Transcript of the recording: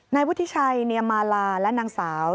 นายวุฒิชัยเนียมมาลาและนางสาว